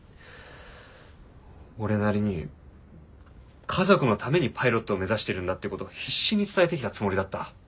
俺なりに家族のためにパイロットを目指してるんだってことを必死に伝えてきたつもりだった。